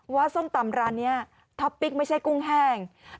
ว่าซ้มตำร้านเทอมไม่ใช่กุ้งแห้ง